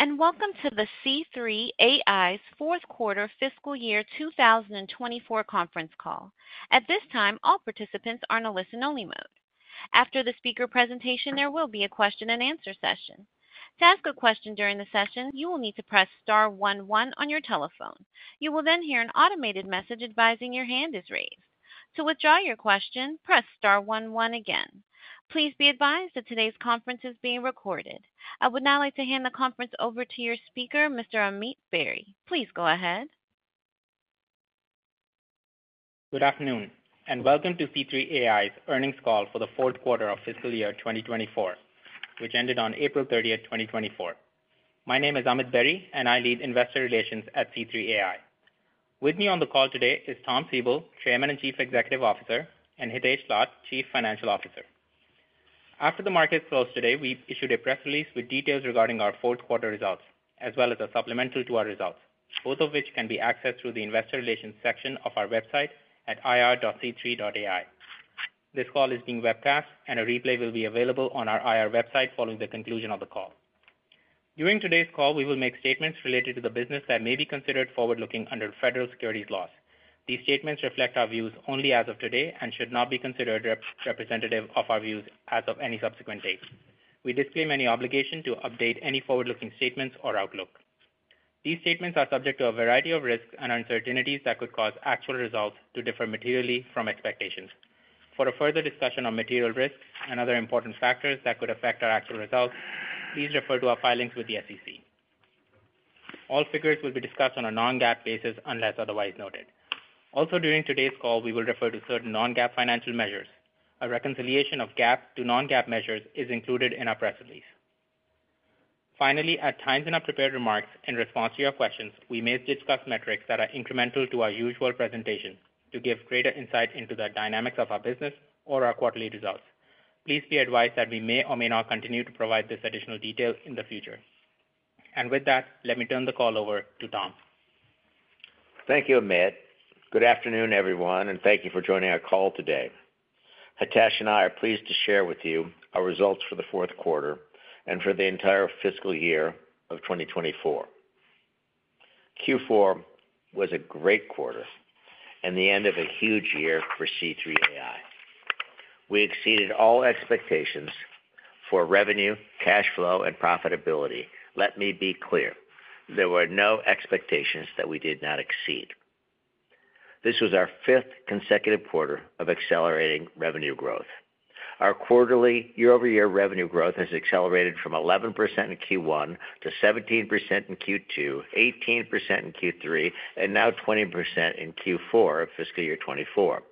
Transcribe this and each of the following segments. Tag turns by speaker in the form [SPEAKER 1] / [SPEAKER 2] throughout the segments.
[SPEAKER 1] Welcome to the C3 AI's fourth quarter fiscal year 2024 conference call. At this time, all participants are in a listen-only mode. After the speaker presentation, there will be a question and answer session. To ask a question during the session, you will need to press star one one on your telephone. You will then hear an automated message advising your hand is raised. To withdraw your question, press star one one again. Please be advised that today's conference is being recorded. I would now like to hand the conference over to your speaker, Mr. Amit Berry. Please go ahead.
[SPEAKER 2] Good afternoon, and welcome to C3 AI's earnings call for the fourth quarter of fiscal year 2024, which ended on April 30th, 2024. My name is Amit Berry, and I lead Investor Relations at C3 AI. With me on the call today is Tom Siebel, Chairman and Chief Executive Officer, and Hitesh Lath, Chief Financial Officer. After the market closed today, we issued a press release with details regarding our fourth quarter results, as well as a supplemental to our results, both of which can be accessed through the Investor Relations section of our website at ir.c3.ai. This call is being webcast, and a replay will be available on our IR website following the conclusion of the call. During today's call, we will make statements related to the business that may be considered forward-looking under federal securities laws. These statements reflect our views only as of today and should not be considered representative of our views as of any subsequent date. We disclaim any obligation to update any forward-looking statements or outlook. These statements are subject to a variety of risks and uncertainties that could cause actual results to differ materially from expectations. For a further discussion on material risks and other important factors that could affect our actual results, please refer to our filings with the SEC. All figures will be discussed on a non-GAAP basis, unless otherwise noted. Also, during today's call, we will refer to certain non-GAAP financial measures. A reconciliation of GAAP to non-GAAP measures is included in our press release. Finally, at times in our prepared remarks, in response to your questions, we may discuss metrics that are incremental to our usual presentation to give greater insight into the dynamics of our business or our quarterly results. Please be advised that we may or may not continue to provide this additional detail in the future. With that, let me turn the call over to Tom.
[SPEAKER 3] Thank you, Amit. Good afternoon, everyone, and thank you for joining our call today. Hitesh and I are pleased to share with you our results for the fourth quarter and for the entire fiscal year of 2024. Q4 was a great quarter and the end of a huge year for C3 AI. We exceeded all expectations for revenue, cash flow, and profitability. Let me be clear, there were no expectations that we did not exceed. This was our fifth consecutive quarter of accelerating revenue growth. Our quarterly year-over-year revenue growth has accelerated from 11% in Q1 to 17% in Q2, 18% in Q3, and now 20% in Q4 of fiscal year 2024.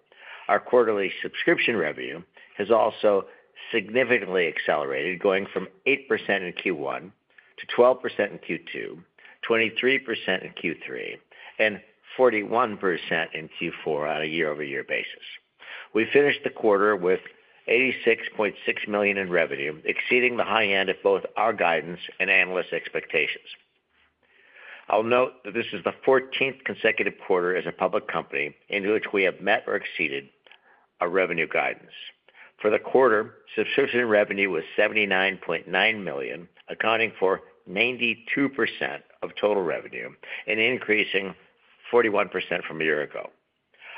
[SPEAKER 3] Our quarterly subscription revenue has also significantly accelerated, going from 8% in Q1 to 12% in Q2, 23% in Q3, and 41% in Q4 on a year-over-year basis. We finished the quarter with $86.6 million in revenue, exceeding the high end of both our guidance and analyst expectations. I'll note that this is the 14th consecutive quarter as a public company in which we have met or exceeded our revenue guidance. For the quarter, subscription revenue was $79.9 million, accounting for 92% of total revenue and increasing 41% from a year ago.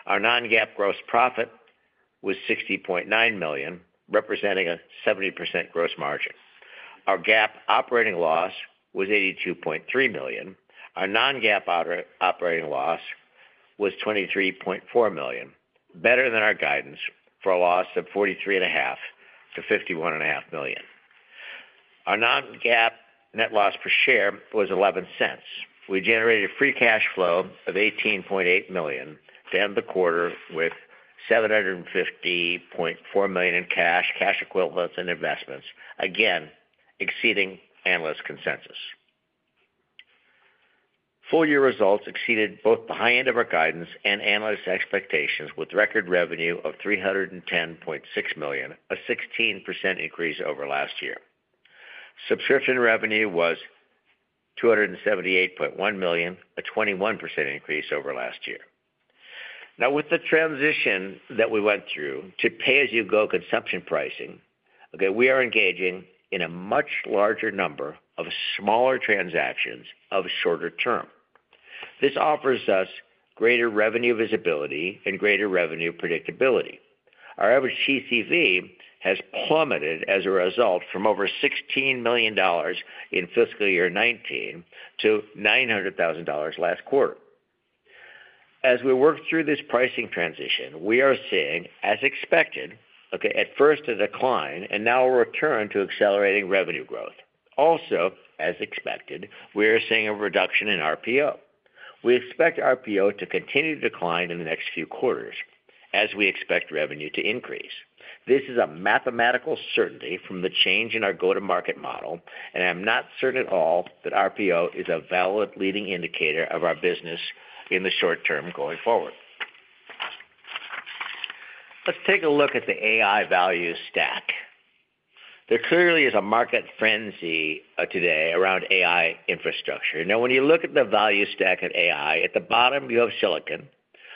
[SPEAKER 3] Our non-GAAP gross profit was $60.9 million, representing a 70% gross margin. Our GAAP operating loss was $82.3 million. Our non-GAAP operating loss was $23.4 million, better than our guidance for a loss of $43.5 million-$51.5 million. Our non-GAAP net loss per share was $0.11. We generated free cash flow of $18.8 million to end the quarter with $750.4 million in cash, cash equivalents and investments, again, exceeding analyst consensus. Full year results exceeded both the high end of our guidance and analyst expectations, with record revenue of $310.6 million, a 16% increase over last year. Subscription revenue was $278.1 million, a 21% increase over last year. Now, with the transition that we went through to pay-as-you-go consumption pricing, okay, we are engaging in a much larger number of smaller transactions of shorter term. This offers us greater revenue visibility and greater revenue predictability. Our average TCV has plummeted as a result from over $16 million in fiscal year 2019 to $900,000 last quarter. As we work through this pricing transition, we are seeing, as expected, okay, at first a decline and now a return to accelerating revenue growth. Also, as expected, we are seeing a reduction in RPO. We expect RPO to continue to decline in the next few quarters as we expect revenue to increase. This is a mathematical certainty from the change in our go-to-market model, and I'm not certain at all that RPO is a valid leading indicator of our business in the short term going forward. Let's take a look at the AI value stack. There clearly is a market frenzy today around AI infrastructure. Now, when you look at the value stack at AI, at the bottom, you have silicon....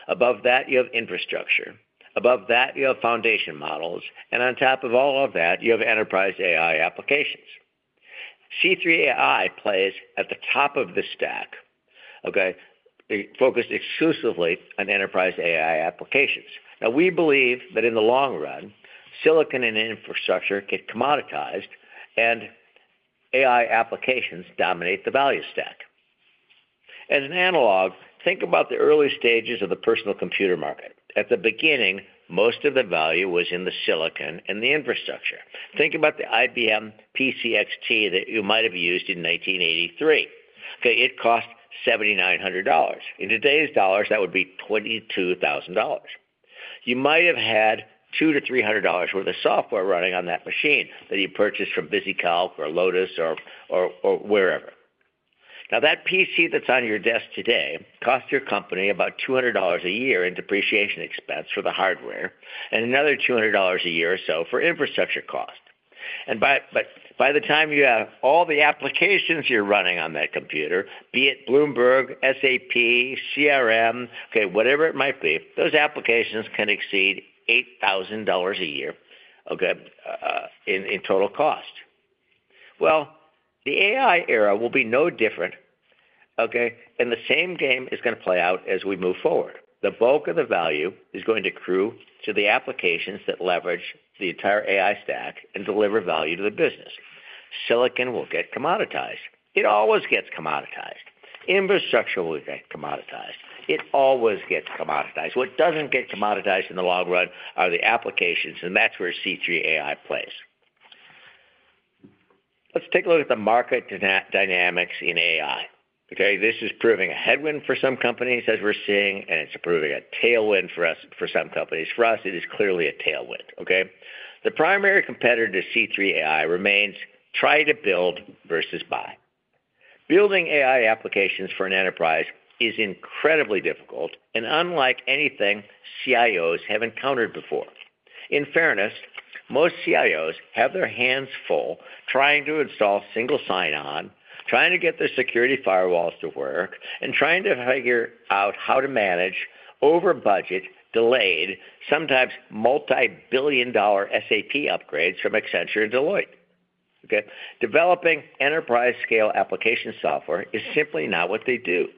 [SPEAKER 3] Above that, you have infrastructure. Above that, you have foundation models, and on top of all of that, you have enterprise AI applications. C3 AI plays at the top of the stack, okay? It focused exclusively on enterprise AI applications. Now, we believe that in the long run, silicon and infrastructure get commoditized, and AI applications dominate the value stack. As an analog, think about the early stages of the personal computer market. At the beginning, most of the value was in the silicon and the infrastructure. Think about the IBM PC XT that you might have used in 1983, okay? It cost $7,900. In today's dollars, that would be $22,000. You might have had $200-$300 worth of software running on that machine that you purchased from VisiCalc or Lotus or, or, or wherever. Now, that PC that's on your desk today costs your company about $200 a year in depreciation expense for the hardware, and another $200 a year or so for infrastructure cost. But by the time you have all the applications you're running on that computer, be it Bloomberg, SAP, CRM, okay, whatever it might be, those applications can exceed $8,000 a year, okay, in total cost. Well, the AI era will be no different, okay, and the same game is gonna play out as we move forward. The bulk of the value is going to accrue to the applications that leverage the entire AI stack and deliver value to the business. Silicon will get commoditized. It always gets commoditized. Infrastructure will get commoditized. It always gets commoditized. What doesn't get commoditized in the long run are the applications, and that's where C3 AI plays. Let's take a look at the market dynamics in AI. Okay, this is proving a headwind for some companies, as we're seeing, and it's proving a tailwind for us, for some companies. For us, it is clearly a tailwind, okay? The primary competitor to C3 AI remains try to build versus buy. Building AI applications for an enterprise is incredibly difficult and unlike anything CIOs have encountered before. In fairness, most CIOs have their hands full trying to install single sign-on, trying to get their security firewalls to work, and trying to figure out how to manage over budget, delayed, sometimes multi-billion-dollar SAP upgrades from Accenture and Deloitte, okay? Developing enterprise-scale application software is simply not what they do.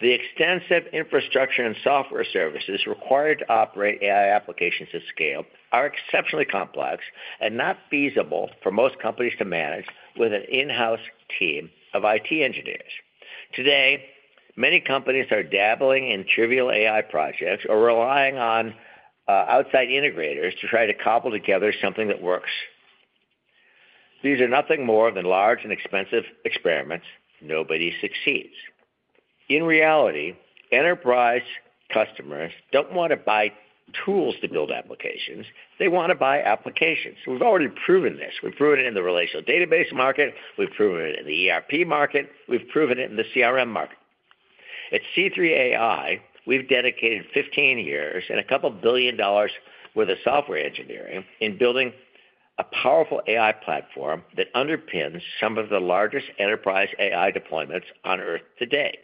[SPEAKER 3] The extensive infrastructure and software services required to operate AI applications at scale are exceptionally complex and not feasible for most companies to manage with an in-house team of IT engineers. Today, many companies are dabbling in trivial AI projects or relying on outside integrators to try to cobble together something that works. These are nothing more than large and expensive experiments. Nobody succeeds. In reality, enterprise customers don't want to buy tools to build applications, they want to buy applications. We've already proven this. We've proven it in the relational database market, we've proven it in the ERP market, we've proven it in the CRM market. At C3 AI, we've dedicated 15 years and a couple of dollars billion worth of software engineering in building a powerful AI platform that underpins some of the largest enterprise AI deployments on Earth today.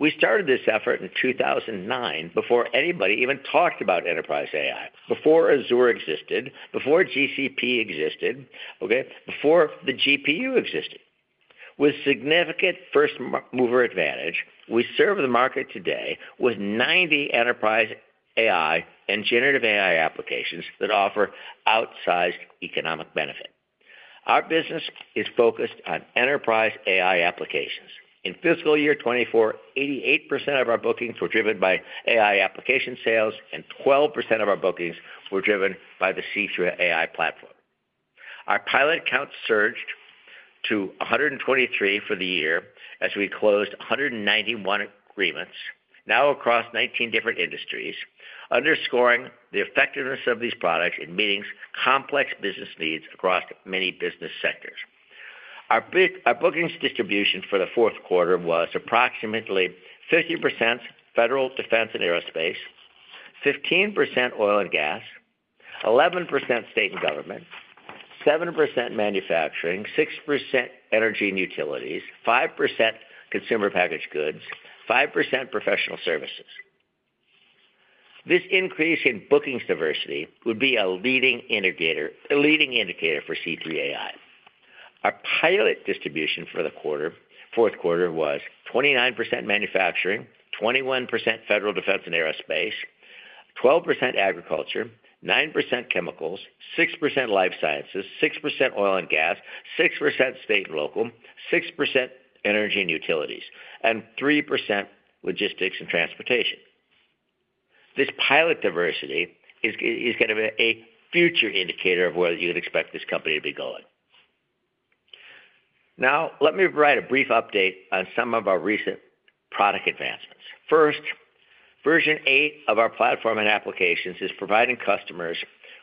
[SPEAKER 3] We started this effort in 2009 before anybody even talked about enterprise AI, before Azure existed, before GCP existed, okay, before the GPU existed. With significant first-mover advantage, we serve the market today with 90 enterprise AI and generative AI applications that offer outsized economic benefit. Our business is focused on enterprise AI applications. In fiscal year 2024, 88% of our bookings were driven by AI application sales, and 12% of our bookings were driven by the C3 AI platform. Our pilot count surged to 123 for the year as we closed 191 agreements, now across 19 different industries, underscoring the effectiveness of these products in meeting complex business needs across many business sectors. Our bookings distribution for the fourth quarter was approximately 50% federal defense and aerospace, 15% oil and gas, 11% state and government, 7% manufacturing, 6% energy and utilities, 5% consumer packaged goods, 5% professional services. This increase in bookings diversity would be a leading indicator, a leading indicator for C3 AI. Our pilot distribution for the quarter, fourth quarter was 29% manufacturing, 21% federal defense and aerospace, 12% agriculture, 9% chemicals, 6% life sciences, 6% oil and gas, 6% state and local, 6% energy and utilities, and 3% logistics and transportation. This pilot diversity is kind of a future indicator of where you'd expect this company to be going. Now, let me provide a brief update on some of our recent product advancements. First, Version 8 of our platform and applications is providing customers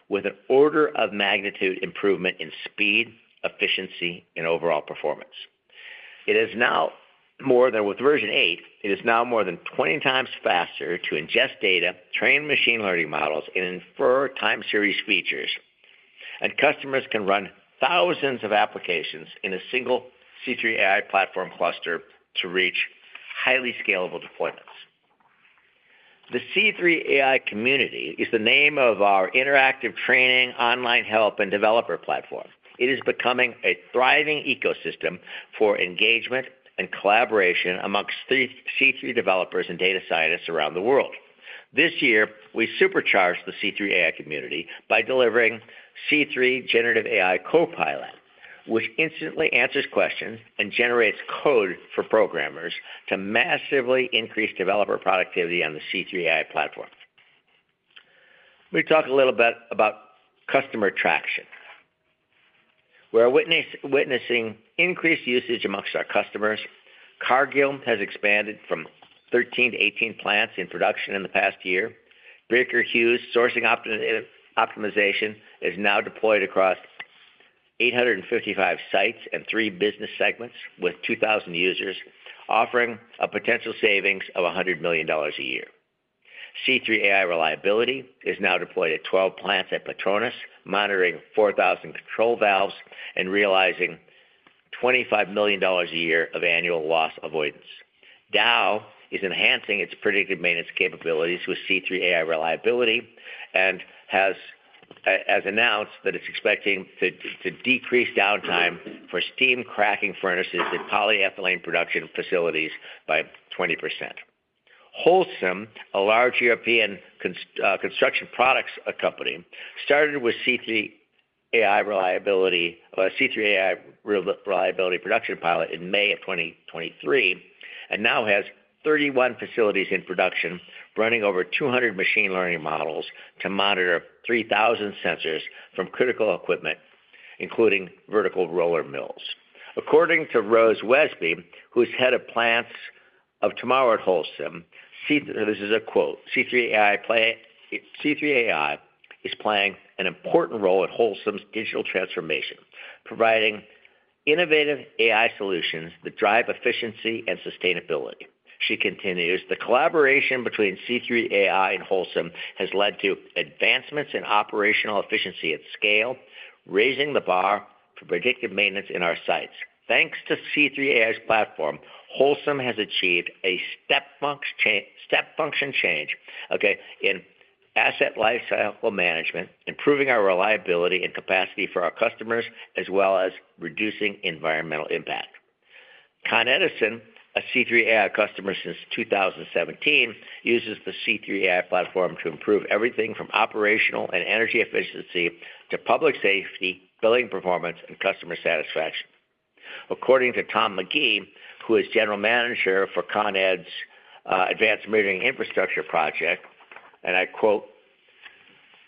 [SPEAKER 3] with an order of magnitude improvement in speed, efficiency, and overall performance. It is now more than... With Version 8, it is now more than 20 times faster to ingest data, train machine learning models, and infer time series features.... And customers can run 1,000s of applications in a single C3 AI platform cluster to reach highly scalable deployments. The C3 AI Community is the name of our interactive training, online help, and developer platform. It is becoming a thriving ecosystem for engagement and collaboration amongst C3 developers and data scientists around the world. This year, we supercharged the C3 AI Community by delivering C3 Generative AI Copilot, which instantly answers questions and generates code for programmers to massively increase developer productivity on the C3 AI platform. Let me talk a little bit about customer traction. We're witnessing increased usage amongst our customers. Cargill has expanded from 13 plants to 18 plants in production in the past year. Baker Hughes sourcing optimization is now deployed across 855 sites and three business segments, with 2,000 users, offering a potential savings of $100 million a year. C3 AI Reliability is now deployed at 12 plants at Petronas, monitoring 4,000 control valves and realizing $25 million a year of annual loss avoidance. Dow is enhancing its predictive maintenance capabilities with C3 AI Reliability, and has, as announced, that it's expecting to decrease downtime for steam cracking furnaces in polyethylene production facilities by 20%. Holcim, a large European construction products company, started with C3 AI Reliability production pilot in May 2023, and now has 31 facilities in production, running over 200 machine learning models to monitor 3,000 sensors from critical equipment, including vertical roller mills. According to Roz Westby, who's head of Plants of Tomorrow at Holcim, this is a quote: "C3 AI is playing an important role in Holcim's digital transformation, providing innovative AI solutions that drive efficiency and sustainability." She continues, "The collaboration between C3 AI and Holcim has led to advancements in operational efficiency at scale, raising the bar for predictive maintenance in our sites. Thanks to C3 AI's platform, Holcim has achieved a step function change, okay, in asset lifecycle management, improving our reliability and capacity for our customers, as well as reducing environmental impact." Con Edison, a C3 AI customer since 2017, uses the C3 AI platform to improve everything from operational and energy efficiency to public safety, billing performance, and customer satisfaction. According to Tom Magee, who is General Manager for Con Ed's Advanced Metering Infrastructure project, and I quote: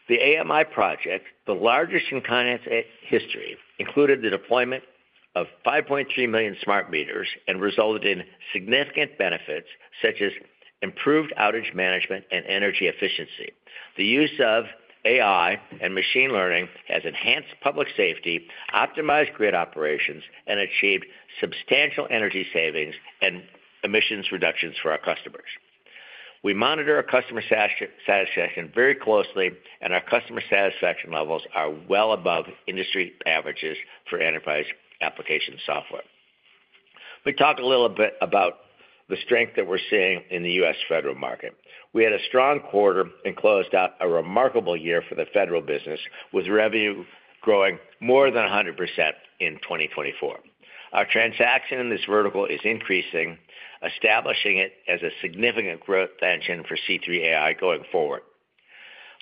[SPEAKER 3] "The AMI project, the largest in Con Ed's history, included the deployment of 5.3 million smart meters and resulted in significant benefits, such as improved outage management and energy efficiency. The use of AI and machine learning has enhanced public safety, optimized grid operations, and achieved substantial energy savings and emissions reductions for our customers." We monitor our customer satisfaction very closely, and our customer satisfaction levels are well above industry averages for enterprise application software. Let me talk a little bit about the strength that we're seeing in the U.S. federal market. We had a strong quarter and closed out a remarkable year for the federal business, with revenue growing more than 100% in 2024. Our transaction in this vertical is increasing, establishing it as a significant growth engine for C3 AI going forward.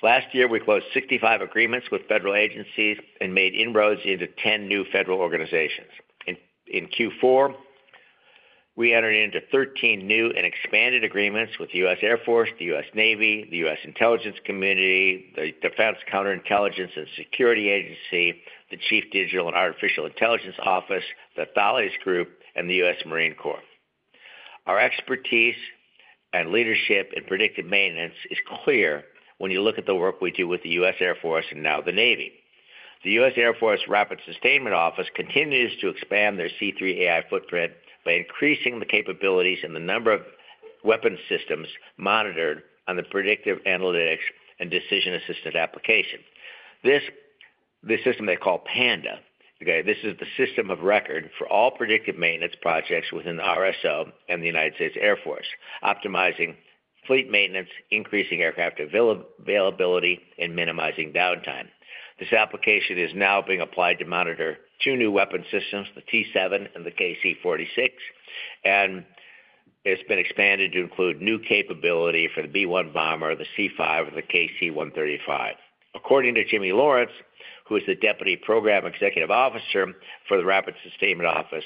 [SPEAKER 3] Last year, we closed 65 agreements with federal agencies and made inroads into 10 new federal organizations. In Q4, we entered into 13 new and expanded agreements with the U.S. Air Force, the U.S. Navy, the U.S. Intelligence Community, the Defense Counterintelligence and Security Agency, the Chief Digital and Artificial Intelligence Office, the Thales Group, and the U.S. Marine Corps. Our expertise and leadership in predictive maintenance is clear when you look at the work we do with the U.S. Air Force and now the Navy. The U.S. Air Force Rapid Sustainment Office continues to expand their C3 AI footprint by increasing the capabilities and the number of weapon systems monitored on the Predictive Analytics and Decision Assistance application. This, the system they call PANDA, okay? This is the system of record for all predictive maintenance projects within RSO and the U.S. Air Force, optimizing fleet maintenance, increasing aircraft availability, and minimizing downtime. This application is now being applied to monitor two new weapon systems, the T-7 and the KC-46, and it's been expanded to include new capability for the B-1 bomber, the C-5, and the KC-135. According to Jimmy Lawrence, who is the Deputy Program Executive Officer for the Rapid Sustainment Office,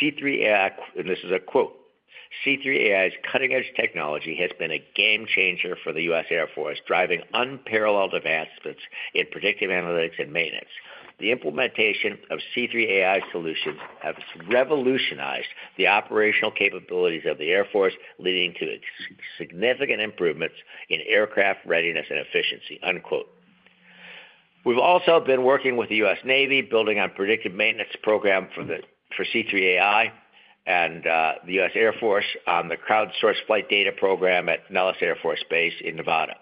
[SPEAKER 3] "C3 AI," and this is a quote: "C3 AI's cutting-edge technology has been a game changer for the U.S. Air Force, driving unparalleled advancements in predictive analytics and maintenance. The implementation of C3 AI solutions have revolutionized the operational capabilities of the Air Force, leading to significant improvements in aircraft readiness and efficiency." Unquote. We've also been working with the U.S. Navy, building on predictive maintenance program for C3 AI and the U.S. Air Force on the Crowdsourced Flight Data program at Nellis Air Force Base in Nevada.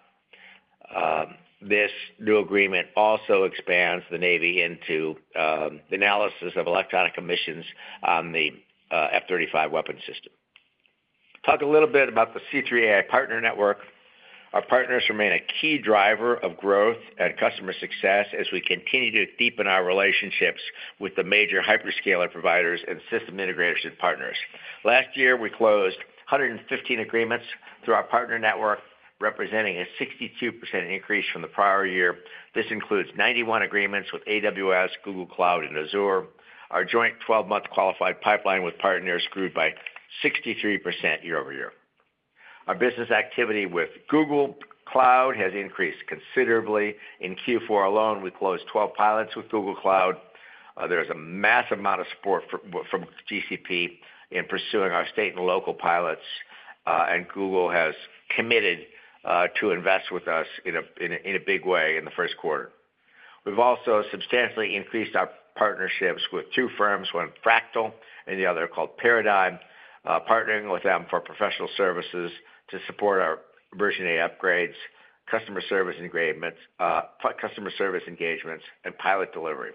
[SPEAKER 3] This new agreement also expands the Navy into the analysis of electronic emissions on the F-35 weapon system. Talk a little bit about the C3 AI partner network. Our partners remain a key driver of growth and customer success as we continue to deepen our relationships with the major hyperscaler providers and system integrators and partners. Last year, we closed 115 agreements through our partner network, representing a 62% increase from the prior year. This includes 91 agreements with AWS, Google Cloud, and Azure. Our joint 12-month qualified pipeline with partners grew by 63% year-over-year. Our business activity with Google Cloud has increased considerably. In Q4 alone, we closed 12 pilots with Google Cloud. There's a massive amount of support from GCP in pursuing our state and local pilots, and Google has committed to invest with us in a big way in the first quarter. We've also substantially increased our partnerships with two firms, one, Fractal, and the other called Paradyme, partnering with them for professional services to support our Version 8 upgrades, customer service engagements, and pilot delivery.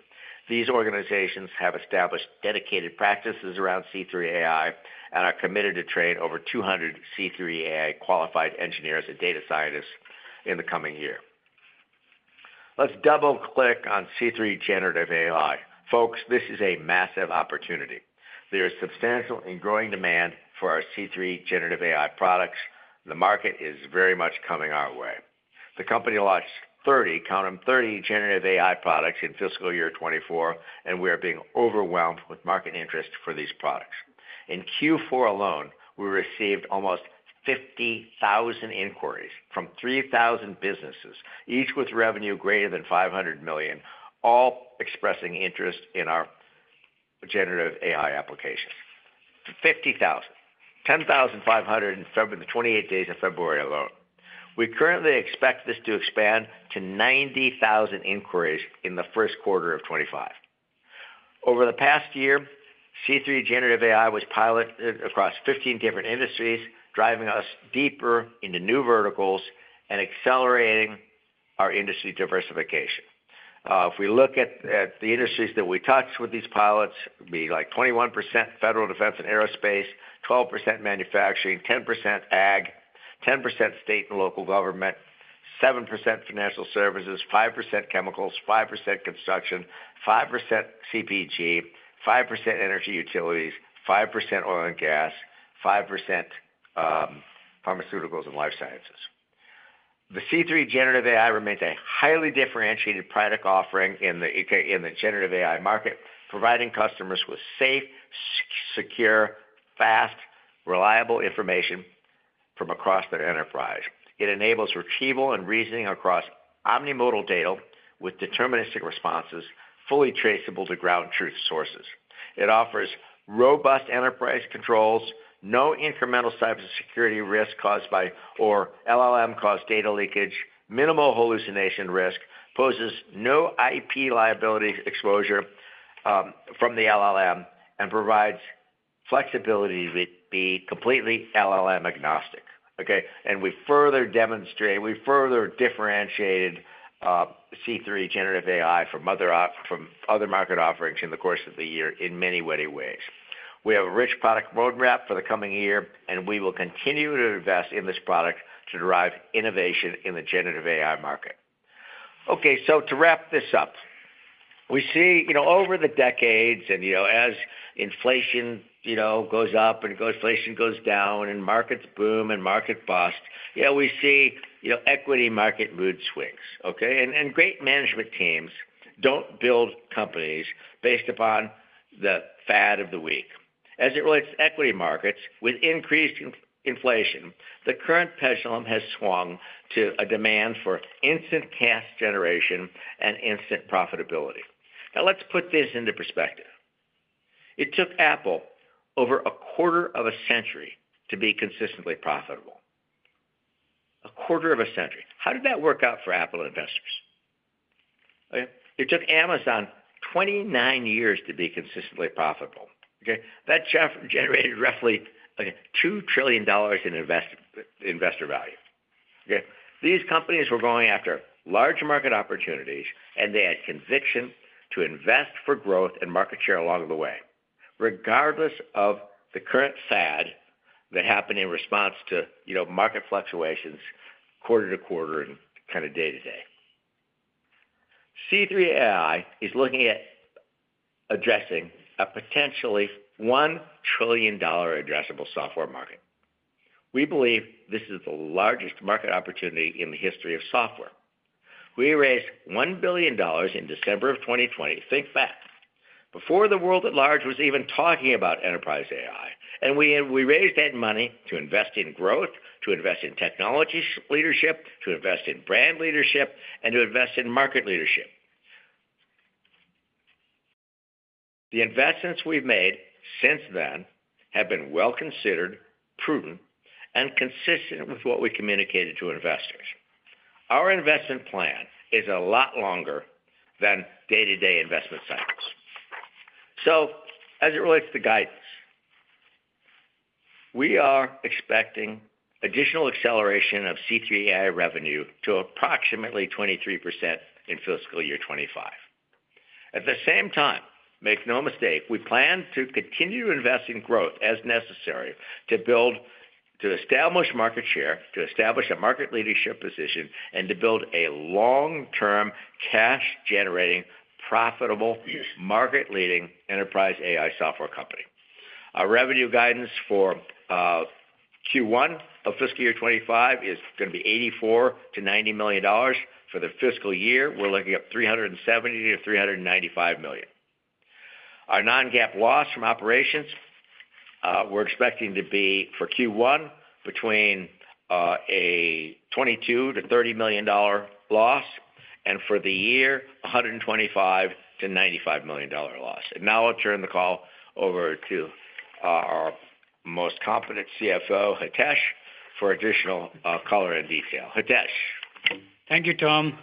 [SPEAKER 3] These organizations have established dedicated practices around C3 AI and are committed to train over 200 C3 AI-qualified engineers and data scientists in the coming year. Let's double-click on C3 Generative AI. Folks, this is a massive opportunity. There is substantial and growing demand for our C3 Generative AI products. The market is very much coming our way. The company launched 30, count them, 30 generative AI products in fiscal year 2024, and we are being overwhelmed with market interest for these products. In Q4 alone, we received almost 50,000 inquiries from 3,000 businesses, each with revenue greater than $500 million, all expressing interest in our generative AI application. 50,000. 10,500 in February, the 28 days of February alone. We currently expect this to expand to 90,000 inquiries in the first quarter of 2025. Over the past year, C3 Generative AI was piloted across 15 different industries, driving us deeper into new verticals and accelerating our industry diversification. If we look at, at the industries that we touched with these pilots, it would be like 21% federal defense and aerospace, 12% manufacturing, 10% ag, 10% state and local government, 7% financial services, 5% chemicals, 5% construction, 5% CPG, 5% energy utilities, 5% oil and gas, 5% pharmaceuticals and life sciences. The C3 Generative AI remains a highly differentiated product offering in the, in the generative AI market, providing customers with safe, secure, fast, reliable information from across their enterprise. It enables retrieval and reasoning across omni-modal data with deterministic responses, fully traceable to ground truth sources. It offers robust enterprise controls, no incremental cybersecurity risk caused by or LLM-caused data leakage, minimal hallucination risk, poses no IP liability exposure from the LLM, and provides flexibility with being completely LLM agnostic, okay? We further differentiated C3 Generative AI from other market offerings in the course of the year in many ways. We have a rich product roadmap for the coming year, and we will continue to invest in this product to drive innovation in the generative AI market. Okay, so to wrap this up, we see, you know, over the decades and, you know, as inflation, you know, goes up and inflation goes down and markets boom and market bust, you know, we see, you know, equity market mood swings, okay? And great management teams don't build companies based upon the fad of the week. As it relates to equity markets, with increased inflation, the current pendulum has swung to a demand for instant cash generation and instant profitability. Now, let's put this into perspective. It took Apple over a quarter of a century to be consistently profitable. A quarter of a century. How did that work out for Apple investors? Okay, it took Amazon 29 years to be consistently profitable, okay? That generated roughly, okay, $2 trillion in investor value, okay? These companies were going after large market opportunities, and they had conviction to invest for growth and market share along the way, regardless of the current fad that happened in response to, you know, market fluctuations quarter-to-quarter and kind of day-to-day. C3 AI is looking at addressing a potentially $1 trillion addressable software market. We believe this is the largest market opportunity in the history of software. We raised $1 billion in December of 2020. Think fast, before the world at large was even talking about enterprise AI. We raised that money to invest in growth, to invest in technology leadership, to invest in brand leadership, and to invest in market leadership. The investments we've made since then have been well-considered, prudent, and consistent with what we communicated to investors. Our investment plan is a lot longer than day-to-day investment cycles. So as it relates to guidance, we are expecting additional acceleration of C3 AI revenue to approximately 23% in fiscal year 2025. At the same time, make no mistake, we plan to continue to invest in growth as necessary, to build, to establish market share, to establish a market leadership position, and to build a long-term, cash-generating, profitable, market-leading enterprise AI software company. Our revenue guidance for Q1 of fiscal year 2025 is going to be $84 million-$90 million. For the fiscal year, we're looking at $370 million-$395 million. Our non-GAAP loss from operations, we're expecting to be for Q1 between a $22 million-$30 million loss, and for the year, a $125 million-$95 million loss. And now I'll turn the call over to our most competent CFO, Hitesh, for additional color and detail. Hitesh?
[SPEAKER 4] Thank you, Tom.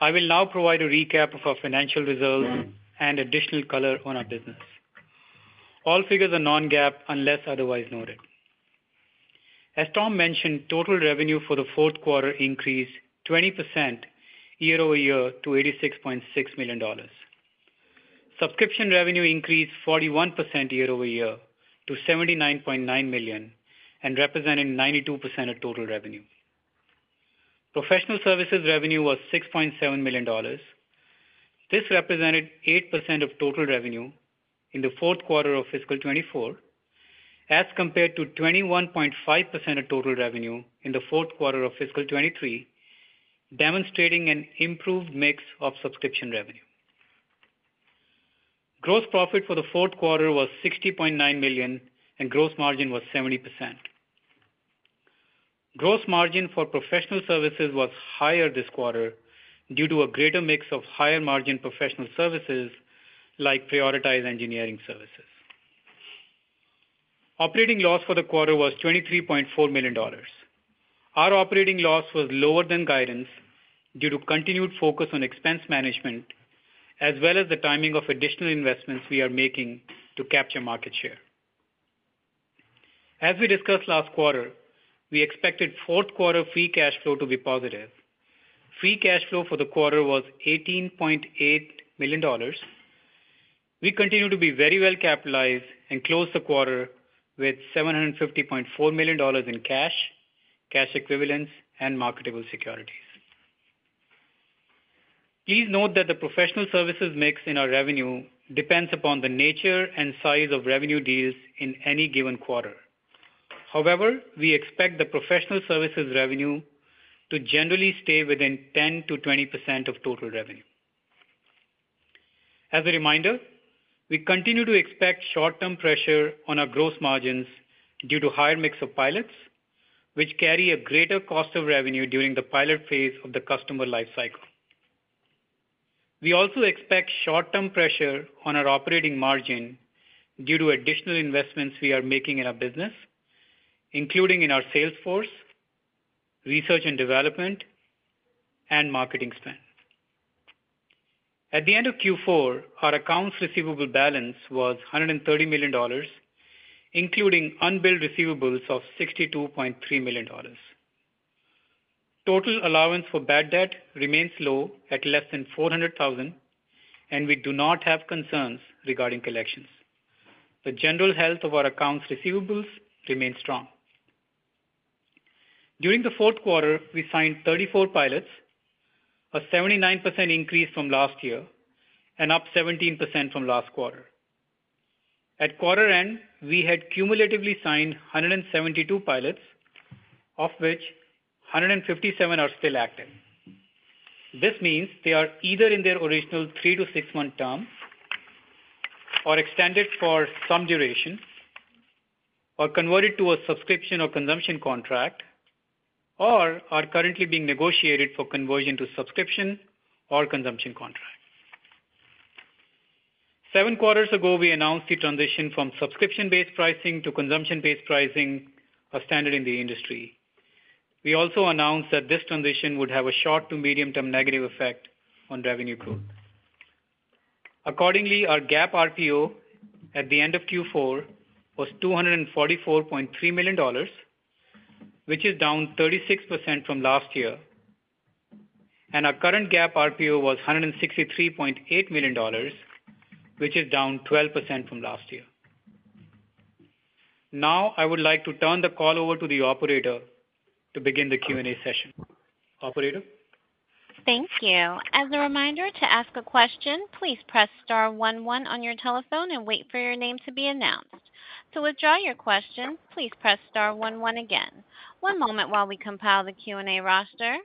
[SPEAKER 4] I will now provide a recap of our financial results and additional color on our business. All figures are non-GAAP, unless otherwise noted. As Tom mentioned, total revenue for the fourth quarter increased 20% year-over-year to $86.6 million. Subscription revenue increased 41% year-over-year to $79.9 million, and representing 92% of total revenue. Professional services revenue was $6.7 million. This represented 8% of total revenue in the fourth quarter of fiscal 2024, as compared to 21.5% of total revenue in the fourth quarter of fiscal 2023, demonstrating an improved mix of subscription revenue. Gross profit for the fourth quarter was $60.9 million, and gross margin was 70%. Gross margin for professional services was higher this quarter due to a greater mix of higher-margin professional services, like prioritized engineering services. Operating loss for the quarter was $23.4 million. Our operating loss was lower than guidance due to continued focus on expense management, as well as the timing of additional investments we are making to capture market share. As we discussed last quarter, we expected fourth quarter free cash flow to be positive. Free cash flow for the quarter was $18.8 million. We continue to be very well capitalized and closed the quarter with $750.4 million in cash, cash equivalents, and marketable securities. Please note that the professional services mix in our revenue depends upon the nature and size of revenue deals in any given quarter. However, we expect the professional services revenue to generally stay within 10%-20% of total revenue. As a reminder, we continue to expect short-term pressure on our gross margins due to higher mix of pilots, which carry a greater cost of revenue during the pilot phase of the customer life cycle. We also expect short-term pressure on our operating margin due to additional investments we are making in our business, including in our sales force, research and development, and marketing spend. At the end of Q4, our accounts receivable balance was $130 million, including unbilled receivables of $62.3 million. Total allowance for bad debt remains low at less than $400,000, and we do not have concerns regarding collections. The general health of our accounts receivables remains strong. During the fourth quarter, we signed 34 pilots, a 79% increase from last year and up 17% from last quarter. At quarter end, we had cumulatively signed 172 pilots, of which 157 are still active. This means they are either in their original three- to six-month term, or extended for some duration, or converted to a subscription or consumption contract, or are currently being negotiated for conVersion to subscription or consumption contract. Seven quarters ago, we announced the transition from subscription-based pricing to consumption-based pricing, a standard in the industry. We also announced that this transition would have a short- to medium-term negative effect on revenue growth. Accordingly, our GAAP RPO at the end of Q4 was $244.3 million, which is down 36% from last year, and our current GAAP RPO was $163.8 million, which is down 12% from last year. Now, I would like to turn the call over to the operator to begin the Q&A session. Operator?
[SPEAKER 1] Thank you. As a reminder to ask a question, please press star one one on your telephone and wait for your name to be announced. To withdraw your question, please press star one one again. One moment while we compile the Q&A roster.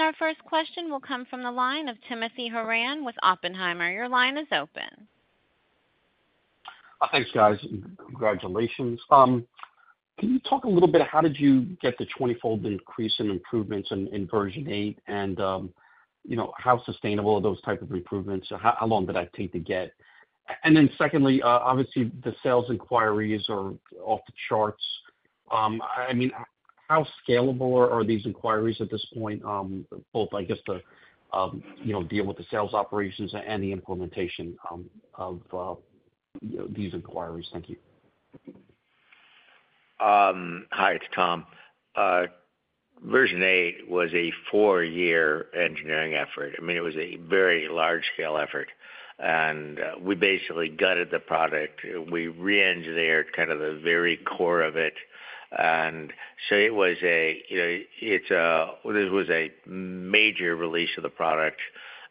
[SPEAKER 1] Our first question will come from the line of Timothy Horan with Oppenheimer. Your line is open.
[SPEAKER 5] Thanks, guys, and congratulations. Can you talk a little bit, how did you get the 20-fold increase in improvements in, in Version 8? And, you know, how sustainable are those type of improvements? How, how long did that take to get? And then secondly, obviously, the sales inquiries are off the charts. I, I mean, how scalable are, are these inquiries at this point, both, I guess, the, you know, deal with the sales operations and the implementation, of, these inquiries? Thank you.
[SPEAKER 3] Hi, it's Tom. Version 8 was a four-year engineering effort. I mean, it was a very large-scale effort, and we basically gutted the product. We reengineered kind of the very core of it. And so it was a, you know, this was a major release of the product,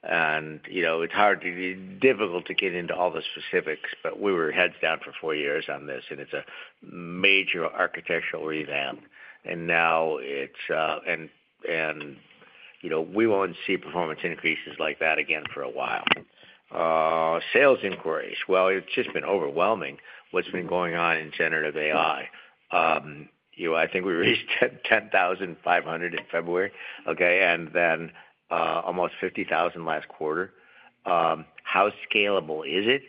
[SPEAKER 3] and, you know, it's hard to get into all the specifics, but we were heads down for four years on this, and it's a major architectural revamp. And now it's... And, you know, we won't see performance increases like that again for a while. Sales inquiries. Well, it's just been overwhelming what's been going on in generative AI. You know, I think we reached 10,500 in February, okay? And then almost 50,000 last quarter. How scalable is it,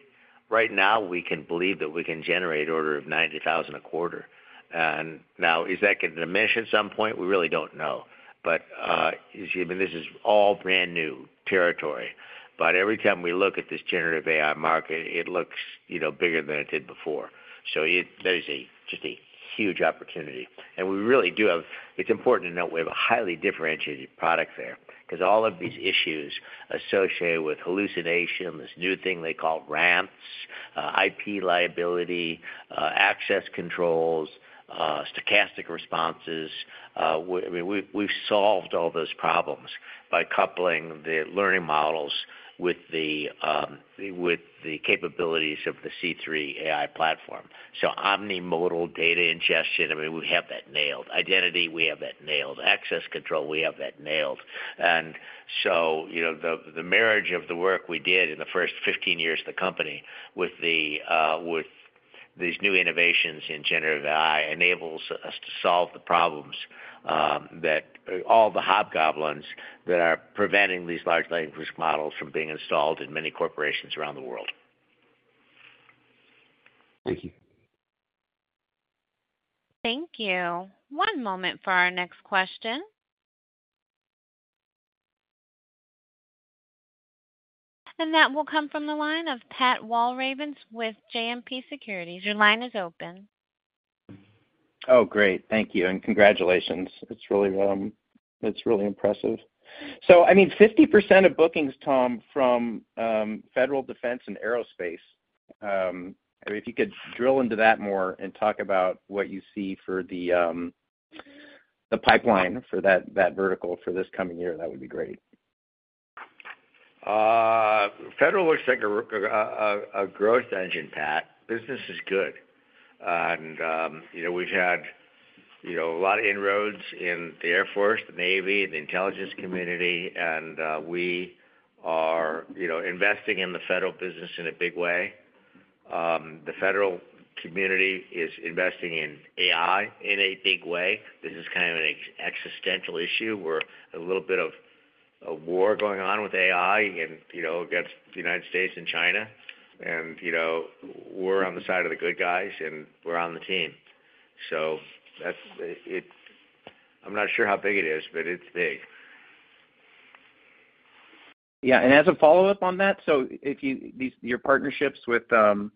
[SPEAKER 3] Right now, we can believe that we can generate order of 90,000 a quarter. Now, is that gonna diminish at some point? We really don't know. But, I mean, this is all brand-new territory. But every time we look at this generative AI market, it looks, you know, bigger than it did before. So there's just a huge opportunity. And we really do have. It's important to note we have a highly differentiated product there, 'cause all of these issues associated with hallucination, this new thing they call RAGs, IP liability, access controls, stochastic responses, I mean, we've solved all those problems by coupling the learning models with the capabilities of the C3 AI platform. So omni-modal data ingestion, I mean, we have that nailed. Identity, we have that nailed. Access control, we have that nailed. And so, you know, the marriage of the work we did in the first 15 years of the company with these new innovations in generative AI enables us to solve the problems that all the hobgoblins that are preventing these large language models from being installed in many corporations around the world.
[SPEAKER 5] Thank you.
[SPEAKER 1] Thank you. One moment for our next question. That will come from the line of Pat Walravens with JMP Securities. Your line is open.
[SPEAKER 6] Oh, great. Thank you, and congratulations. It's really, it's really impressive. So I mean, 50% of bookings, Tom, from federal defense and aerospace. If you could drill into that more and talk about what you see for the, the pipeline for that, that vertical for this coming year, that would be great.
[SPEAKER 3] Federal looks like a growth engine, Pat. Business is good. You know, we've had a lot of inroads in the Air Force, the Navy, and the intelligence community, and we are, you know, investing in the federal business in a big way. The federal community is investing in AI in a big way. This is kind of an existential issue, where a little bit of a war going on with AI and, you know, against the United States and China. You know, we're on the side of the good guys, and we're on the team. So that's it. I'm not sure how big it is, but it's big.
[SPEAKER 6] Yeah, and as a follow-up on that, so if you—these, your partnerships with AWS,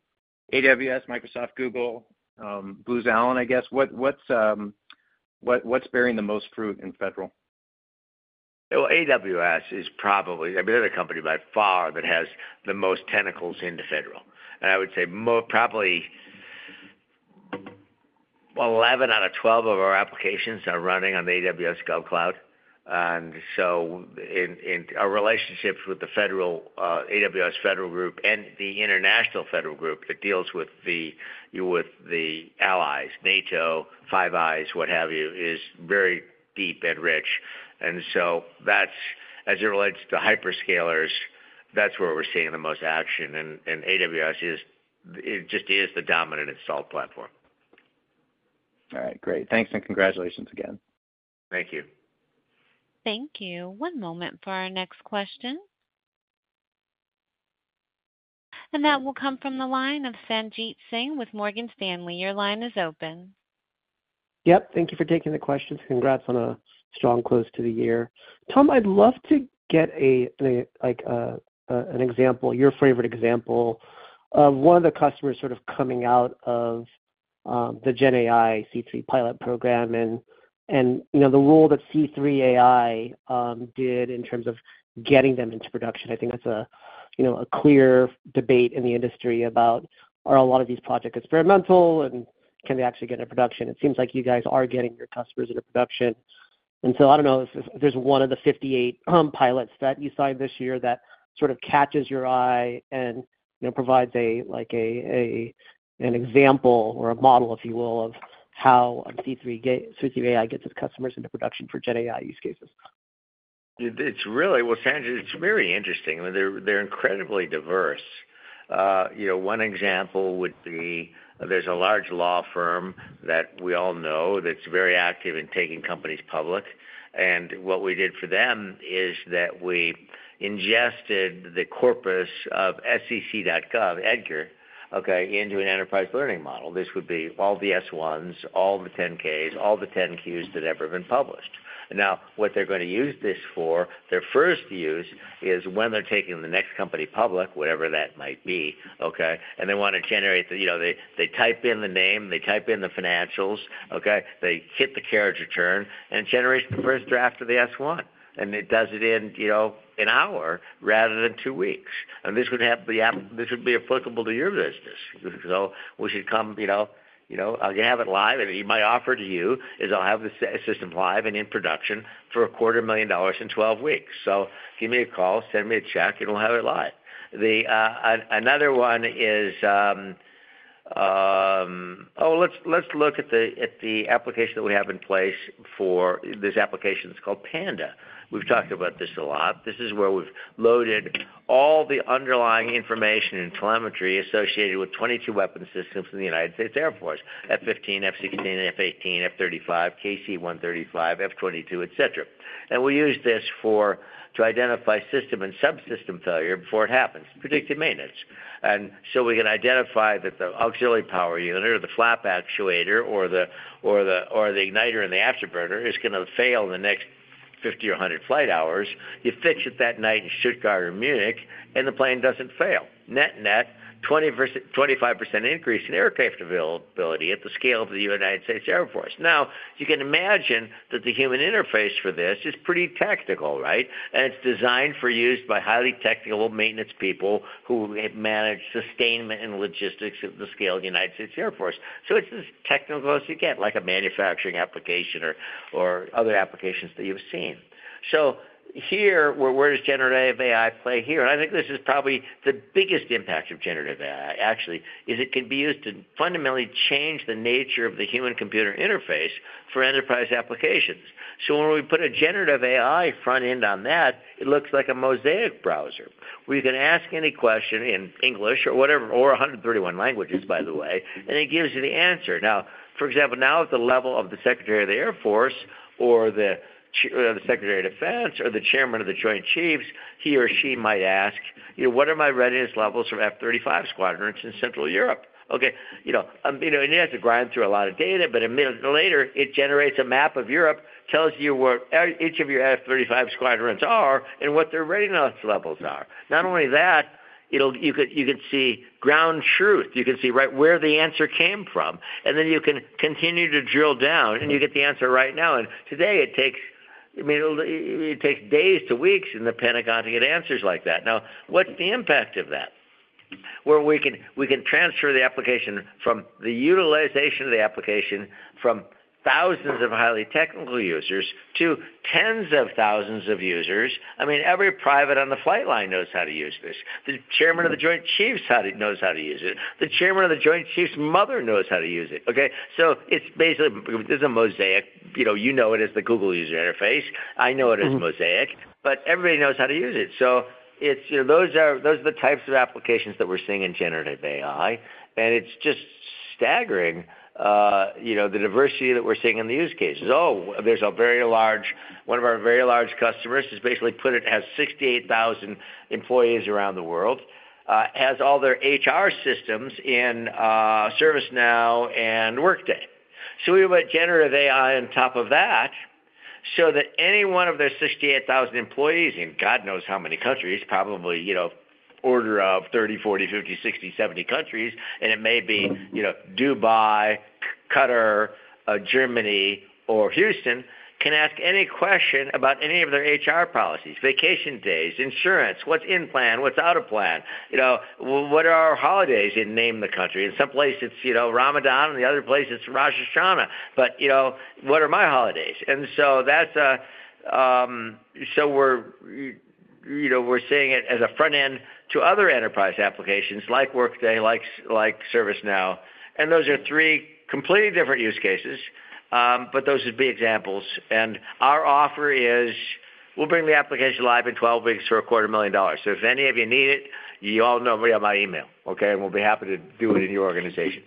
[SPEAKER 6] Microsoft, Google, Booz Allen, I guess, what's bearing the most fruit in federal?
[SPEAKER 3] Well, AWS is probably, I mean, they're the company by far that has the most tentacles into federal. And I would say more probably... 11 out of 12 of our applications are running on the AWS GovCloud. And so in our relationships with the federal, AWS Federal Group and the International Federal Group that deals with the, with the allies, NATO, Five Eyes, what have you, is very deep and rich. And so that's, as it relates to hyperscalers, that's where we're seeing the most action, and AWS is, it just is the dominant install platform.
[SPEAKER 6] All right, great. Thanks, and congratulations again.
[SPEAKER 3] Thank you.
[SPEAKER 1] Thank you. One moment for our next question. That will come from the line of Sanjit Singh with Morgan Stanley. Your line is open.
[SPEAKER 7] Yep, thank you for taking the questions. Congrats on a strong close to the year. Tom, I'd love to get a, like, an example, your favorite example of one of the customers sort of coming out of, the GenAI C3 pilot program and, you know, the role that C3 AI did in terms of getting them into production. I think that's a, you know, a clear debate in the industry about, are a lot of these projects experimental, and can they actually get into production? It seems like you guys are getting your customers into production. And so I don't know if there's one of the 58 pilots that you signed this year that sort of catches your eye and, you know, provides a, like, an example or a model, if you will, of how a C3 AI gets its customers into production for GenAI use cases....
[SPEAKER 3] It, it's really, well, Sanjit, it's very interesting. I mean, they're, they're incredibly diverse. You know, one example would be there's a large law firm that we all know that's very active in taking companies public, and what we did for them is that we ingested the corpus of SEC.gov, EDGAR, okay, into an enterprise learning model. This would be all the S-1s, all the 10-Ks, all the 10-Qs that ever been published. Now, what they're gonna use this for, their first use is when they're taking the next company public, whatever that might be, okay, and they wanna generate the, you know, they, they type in the name, they type in the financials, okay, they hit the carriage return, and it generates the first draft of the S-1, and it does it in, you know, an hour rather than two weeks. This would be applicable to your business. So we should come, you know, you know, I'll have it live, and my offer to you is I'll have the system live and in production for $250,000 in 12 weeks. So give me a call, send me a check, and we'll have it live. Another one is, oh, let's look at the application that we have in place for this application. It's called Panda. We've talked about this a lot. This is where we've loaded all the underlying information and telemetry associated with 22 weapon systems in the U.S. Air Force, F-15, F-16, F-18, F-35, KC-135, F-22, et cetera. And we use this to identify system and subsystem failure before it happens, predictive maintenance. And so we can identify that the auxiliary power unit or the flap actuator or the igniter and the afterburner is gonna fail in the next 50 or 100 flight hours. You fix it that night in Stuttgart or Munich, and the plane doesn't fail. Net, net, 20 versus 25% increase in aircraft availability at the scale of the United States Air Force. Now, you can imagine that the human interface for this is pretty tactical, right? And it's designed for use by highly technical maintenance people who manage sustainment and logistics at the scale of the United States Air Force. So it's as technical as you get, like a manufacturing application or other applications that you've seen. So here, where does generative AI play here? And I think this is probably the biggest impact of Generative AI, actually, is it can be used to fundamentally change the nature of the human-computer interface for enterprise applications. So when we put a Generative AI front end on that, it looks like a mosaic browser, where you can ask any question in English or whatever, or 131 languages, by the way, and it gives you the answer. Now, for example, now at the level of the Secretary of the Air Force or the Chairman or the Secretary of Defense or the Chairman of the Joint Chiefs, he or she might ask, "You know, what are my readiness levels for F-35 squadrons in Central Europe?" Okay, you know, you know, and he has to grind through a lot of data, but a minute later, it generates a map of Europe, tells you where each of your F-35 squadrons are and what their readiness levels are. Not only that, it'll. You can, you can see ground truth. You can see right where the answer came from, and then you can continue to drill down, and you get the answer right now. And today, it takes, I mean, it'll, it takes days to weeks in the Pentagon to get answers like that. Now, what's the impact of that? Where we can, we can transfer the application from the utilization of the application from 1,000s of highly technical users to 10,000s of users. I mean, every private on the flight line knows how to use this. The Chairman of the Joint Chiefs knows how to use it. The Chairman of the Joint Chiefs' mother knows how to use it, okay? So it's basically, there's a mosaic. You know, you know it as the Google user interface. I know it as mosaic, but everybody knows how to use it. So it's, those are the types of applications that we're seeing in generative AI, and it's just staggering, you know, the diversity that we're seeing in the use cases. Oh, there's a very large one of our very large customers has basically put it, has 68,000 employees around the world, has all their HR systems in ServiceNow and Workday. So we put generative AI on top of that so that any one of their 68,000 employees, and God knows how many countries, probably, you know, order of 30, 40, 50, 60, 70 countries, and it may be, you know, Dubai, Qatar, Germany or Houston, can ask any question about any of their HR policies, vacation days, insurance, what's in plan, what's out of plan, you know, what are our holidays, and name the country. In some places, it's, you know, Ramadan, in the other place, it's Rosh Hashana, but, you know, what are my holidays? And so that's, so we're, you know, we're seeing it as a front end to other enterprise applications like Workday, like ServiceNow, and those are three completely different use cases, but those would be examples. Our offer is, we'll bring the application live in 12 weeks for $250,000. So if any of you need it, you all know me on my email, okay? And we'll be happy to do it in your organization.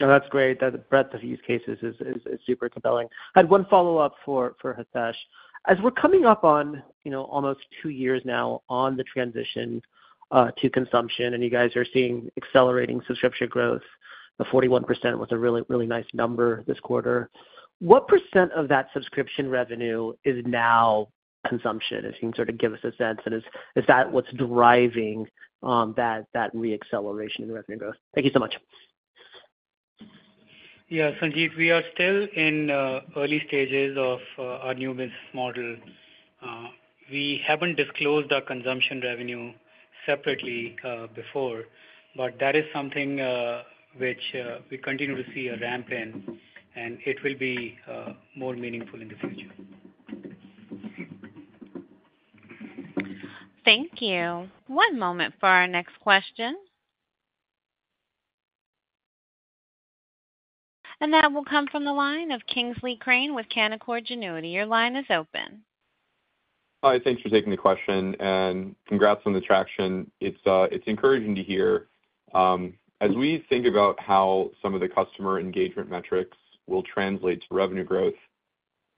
[SPEAKER 7] No, that's great. The breadth of use cases is super compelling. I had one follow-up for Hitesh. As we're coming up on, you know, almost two years now on the transition to consumption, and you guys are seeing accelerating subscription growth, the 41% was a really, really nice number this quarter. What percent of that subscription revenue is now consumption? If you can sort of give us a sense, and is that what's driving that reacceleration in revenue growth? Thank you so much.
[SPEAKER 4] Yeah, Sanjit, we are still in early stages of our new business model. We haven't disclosed our consumption revenue separately before, but that is something which we continue to see a ramp in, and it will be more meaningful in the future.
[SPEAKER 1] Thank you. One moment for our next question... And that will come from the line of Kingsley Crane with Canaccord Genuity. Your line is open.
[SPEAKER 8] Hi, thanks for taking the question, and congrats on the traction. It's, it's encouraging to hear. As we think about how some of the customer engagement metrics will translate to revenue growth,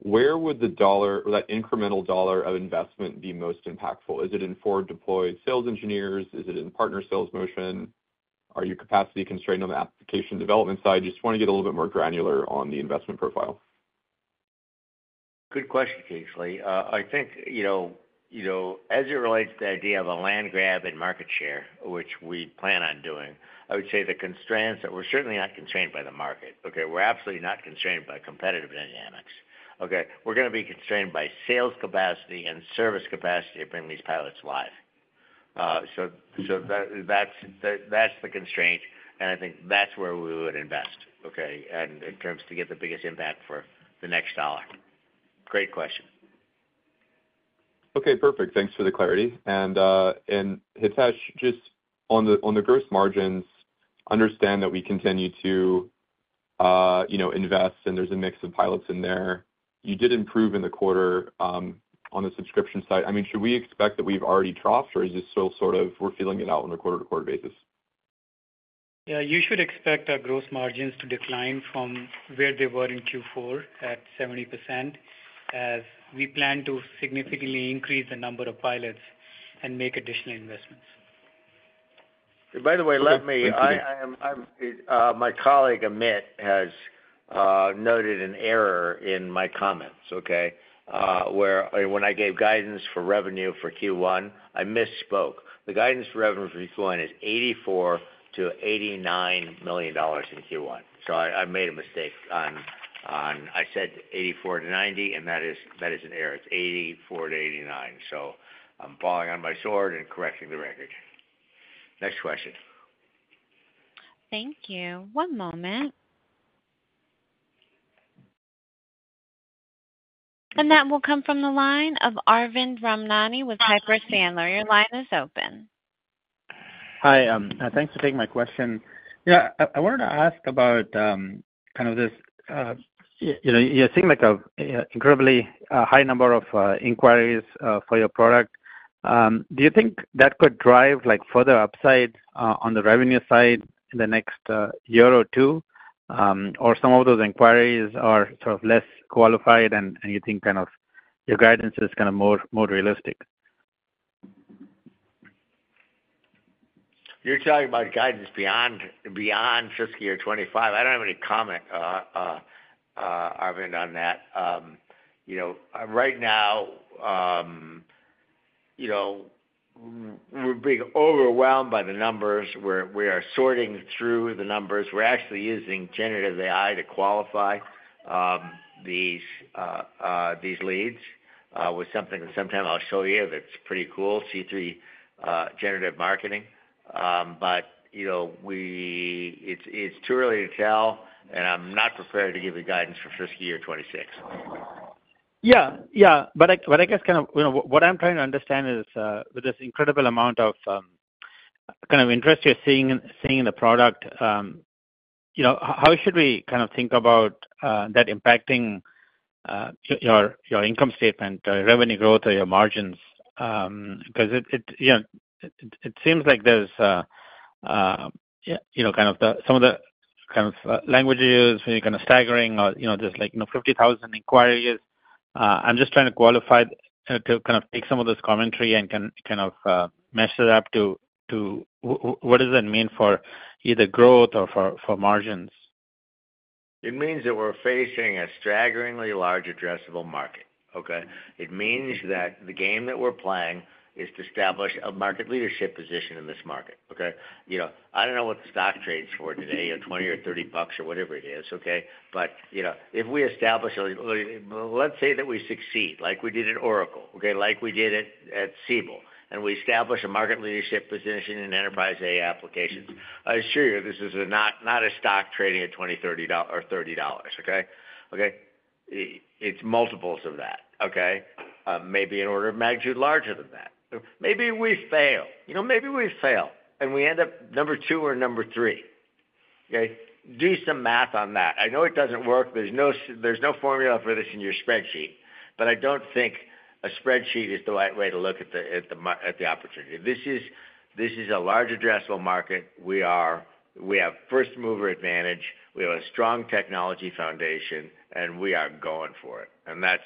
[SPEAKER 8] where would the dollar or that incremental dollar of investment be most impactful? Is it in forward deployed sales engineers? Is it in partner sales motion? Are you capacity constrained on the application development side? Just want to get a little bit more granular on the investment profile.
[SPEAKER 3] Good question, Kingsley. I think, you know, you know, as it relates to the idea of a land grab and market share, which we plan on doing, I would say the constraints that we're certainly not constrained by the market, okay? We're absolutely not constrained by competitive dynamics, okay? We're gonna be constrained by sales capacity and service capacity to bring these pilots live. So that's the constraint, and I think that's where we would invest, okay, and in terms to get the biggest impact for the next dollar. Great question.
[SPEAKER 8] Okay, perfect. Thanks for the clarity. And, and Hitesh, just on the, on the gross margins, understand that we continue to, you know, invest, and there's a mix of pilots in there. You did improve in the quarter, on the subscription side. I mean, should we expect that we've already troughed, or is this still sort of we're feeling it out on a quarter-to-quarter basis?
[SPEAKER 4] Yeah, you should expect our gross margins to decline from where they were in Q4 at 70%, as we plan to significantly increase the number of pilots and make additional investments.
[SPEAKER 3] By the way, let me—I am, I'm, my colleague Amit has noted an error in my comments, okay? Where, when I gave guidance for revenue for Q1, I misspoke. The guidance for revenue for Q1 is $84 million-$89 million in Q1. So I made a mistake on, on... I said $84 million-$90 million, and that is, that is an error. It's $84 million-$89 million. So I'm falling on my sword and correcting the record. Next question.
[SPEAKER 1] Thank you. One moment. That will come from the line of Arvind Ramnani with Piper Sandler. Your line is open.
[SPEAKER 9] Hi, thanks for taking my question. Yeah, I wanted to ask about kind of this, you know, you're seeing like an incredibly high number of inquiries for your product. Do you think that could drive, like, further upside on the revenue side in the next year or two? Or some of those inquiries are sort of less qualified and you think kind of your guidance is kind of more realistic?
[SPEAKER 3] You're talking about guidance beyond fiscal year2025. I don't have any comment, Arvind, on that. You know, right now, you know, we're being overwhelmed by the numbers. We are sorting through the numbers. We're actually using generative AI to qualify these leads with something that sometime I'll show you, that's pretty cool, C3 generative marketing. But, you know, it's too early to tell, and I'm not prepared to give you guidance for fiscal year 2026.
[SPEAKER 9] Yeah. Yeah, but I, but I guess kind of, you know, what I'm trying to understand is, with this incredible amount of kind of interest you're seeing in the product, you know, how should we kind of think about that impacting your income statement, or your revenue growth, or your margins? Because it, you know, it seems like there's kind of some of the kind of language you use, when you're kind of staggering or, you know, just like, you know, 50,000 inquiries. I'm just trying to qualify to, kind of take some of this commentary and can kind of mesh it up to what does that mean for either growth or for margins?
[SPEAKER 3] It means that we're facing a staggeringly large addressable market, okay? It means that the game that we're playing is to establish a market leadership position in this market, okay? You know, I don't know what the stock trades for today, at $20 or $30 bucks or whatever it is, okay? But, you know, if we establish a... Let's say that we succeed, like we did at Oracle, okay? Like we did at, at Siebel, and we establish a market leadership position in enterprise AI applications. I assure you, this is not, not a stock tradin g at $20, $30 or $30, okay? Okay, it's multiples of that, okay? Maybe an order of magnitude larger than that. Maybe we fail. You know, maybe we fail, and we end up numbertwo or number three. Okay, do some math on that. I know it doesn't work. There's no formula for this in your spreadsheet, but I don't think a spreadsheet is the right way to look at the opportunity. This is a large addressable market. We have first mover advantage. We have a strong technology foundation, and we are going for it. And that's,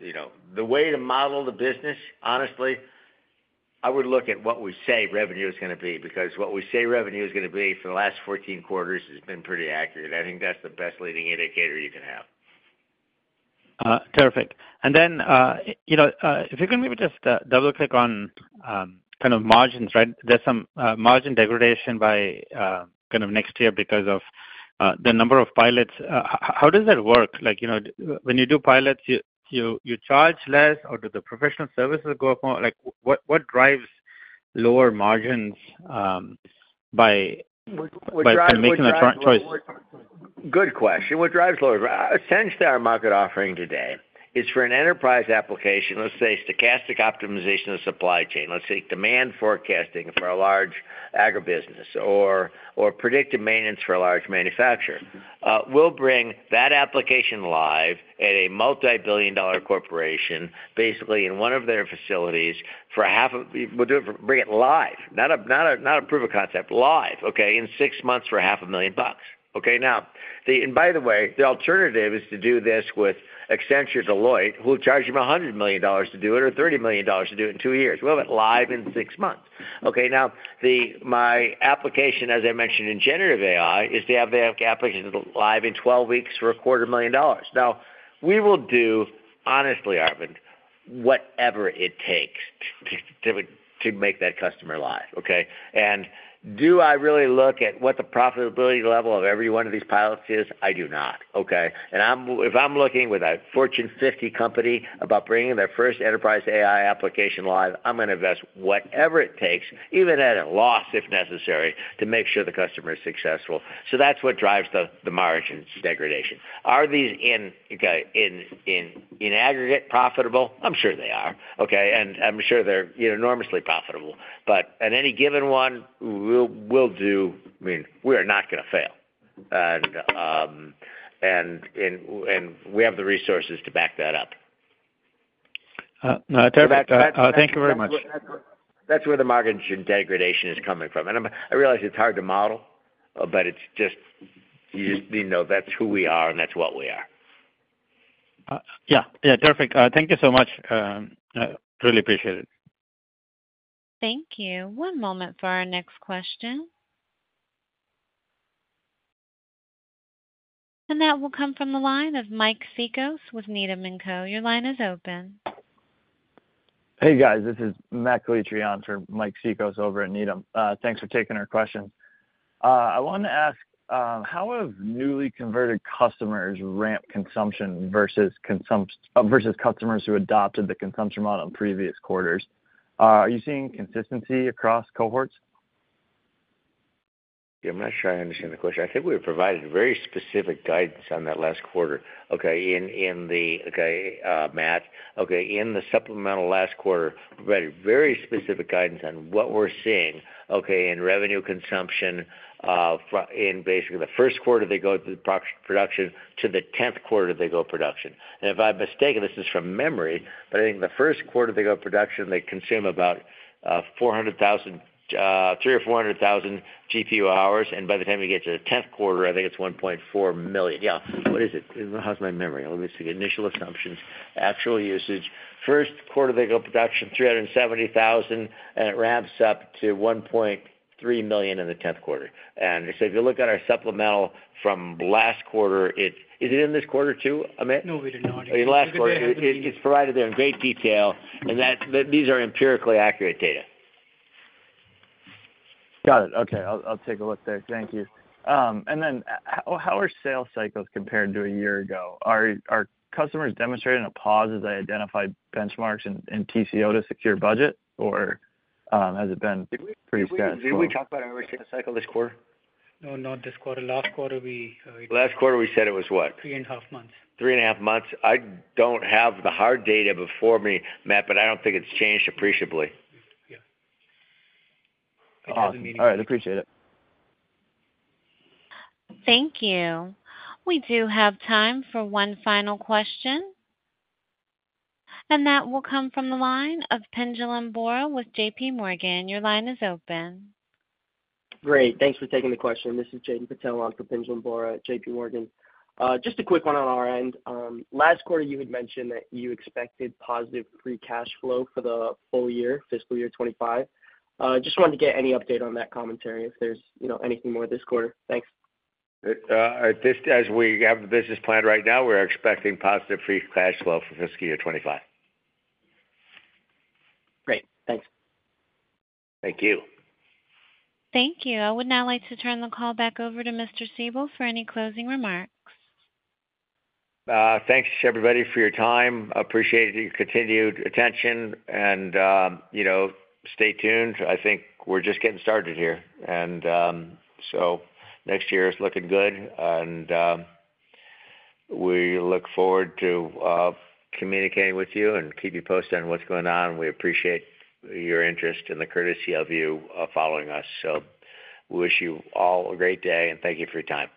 [SPEAKER 3] you know... The way to model the business, honestly, I would look at what we say revenue is gonna be, because what we say revenue is gonna be for the last 14 quarters has been pretty accurate. I think that's the best leading indicator you can have.
[SPEAKER 9] Terrific. And then, you know, if you can maybe just double-click on kind of margins, right? There's some margin degradation by kind of next year because of the number of pilots. How does that work? Like, you know, when you do pilots, you charge less, or do the professional services go up more? Like, what drives lower margins by-
[SPEAKER 3] What drives-
[SPEAKER 9] - by making that choice?
[SPEAKER 3] Good question. What drives lower? Essentially, our market offering today is for an enterprise application, let's say stochastic optimization of supply chain. Let's say demand forecasting for a large agribusiness or predictive maintenance for a large manufacturer. We'll bring that application live at a multi-billion dollar corporation, basically, in one of their facilities for $500,000. We'll do it, bring it live, not a proof of concept, live, okay? In six months for $500,000. Okay, now, and by the way, the alternative is to do this with Accenture, Deloitte, who will charge him $100 million to do it, or $30 million to do it in two years. We'll have it live in six months. Okay, now my application, as I mentioned in generative AI, is to have the applications live in 12 weeks for $250,000. Now, we will do, honestly, Arvind, whatever it takes to make that customer live, okay? And do I really look at what the profitability level of every one of these pilots is? I do not, okay. And if I'm looking with a Fortune 50 company about bringing their first enterprise AI application live, I'm gonna invest whatever it takes, even at a loss, if necessary, to make sure the customer is successful. So that's what drives the margins degradation. Are these, okay, in aggregate, profitable? I'm sure they are, okay, and I'm sure they're enormously profitable, but at any given one, we'll do... I mean, we are not gonna fail. We have the resources to back that up.
[SPEAKER 9] No, terrific. Thank you very much.
[SPEAKER 3] That's where the margin degradation is coming from. And I'm, I realize it's hard to model, but it's just, you just, you know, that's who we are, and that's what we are.
[SPEAKER 9] Yeah, yeah, perfect. Thank you so much. I really appreciate it.
[SPEAKER 1] Thank you. One moment for our next question. That will come from the line of Mike Cikos with Needham & Company. Your line is open.
[SPEAKER 10] Hey, guys, this is Matt Calitri for Mike Cikos over at Needham. Thanks for taking our question. I wanted to ask, how have newly converted customers ramped consumption versus customers who adopted the consumption model in previous quarters? Are you seeing consistency across cohorts?
[SPEAKER 3] I'm not sure I understand the question. I think we provided very specific guidance on that last quarter, okay, in the supplemental last quarter, provided very specific guidance on what we're seeing, okay, in revenue consumption, in basically the first quarter, they go through the production to the 10th quarter they go production. And if I'm mistaken, this is from memory, but I think the first quarter they go production, they consume about, 300,000 or 400,000 GPU hours, and by the time you get to the 10th quarter, I think it's 1.4 million. Yeah. What is it? How's my memory? Let me see. Initial assumptions, actual usage. First quarter, they go production, 370,000, and it ramps up to 1.3 million in the 10th quarter. And so if you look at our supplemental from last quarter, it... Is it in this quarter, too, Amit?
[SPEAKER 2] No, we did not.
[SPEAKER 3] In last quarter, it's provided there in great detail, and these are empirically accurate data.
[SPEAKER 10] Got it. Okay, I'll take a look there. Thank you. And then how are sales cycles compared to a year ago? Are customers demonstrating a pause as they identify benchmarks and TCO to secure budget or has it been pretty status quo?
[SPEAKER 3] Did we talk about our sales cycle this quarter?
[SPEAKER 10] No, not this quarter. Last quarter we,
[SPEAKER 3] Last quarter, we said it was what?
[SPEAKER 10] 3.5 months.
[SPEAKER 3] 3.5 months. I don't have the hard data before me, Matt, but I don't think it's changed appreciably.
[SPEAKER 10] Yeah.
[SPEAKER 3] Awesome. All right, I appreciate it.
[SPEAKER 1] Thank you. We do have time for one final question, and that will come from the line of Pinjalim Bora with JP Morgan. Your line is open.
[SPEAKER 11] Great. Thanks for taking the question. This is Jaiden Patel on for Pinjalim Bora, JP Morgan. Just a quick one on our end. Last quarter, you had mentioned that you expected positive free cash flow for the full year, fiscal year 2025. Just wanted to get any update on that commentary if there's, you know, anything more this quarter. Thanks.
[SPEAKER 3] At this, as we have the business planned right now, we're expecting positive free cash flow for fiscal year 2025.
[SPEAKER 11] Great. Thanks.
[SPEAKER 3] Thank you.
[SPEAKER 1] Thank you. I would now like to turn the call back over to Mr. Siebel for any closing remarks.
[SPEAKER 3] Thanks, everybody, for your time. Appreciate your continued attention and, you know, stay tuned. I think we're just getting started here. Next year is looking good, and we look forward to communicating with you and keep you posted on what's going on. We appreciate your interest and the courtesy of you following us. So we wish you all a great day, and thank you for your time.